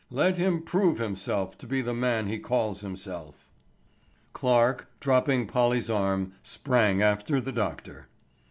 Let him prove himself to be the man he calls himself." Clarke, dropping Polly's arm, sprang after the doctor.